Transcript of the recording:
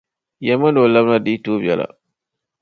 Yɛlimi o ni o labina di yi tooi bela.